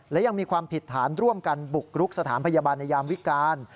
และยังมีความผิดฐานร่วมกันบุกรุกสถานพยาบาลในยามวิการ